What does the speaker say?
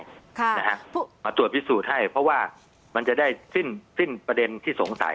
ค่ะนะฮะมาตรวจพิสูจน์ให้เพราะว่ามันจะได้สิ้นสิ้นประเด็นที่สงสัย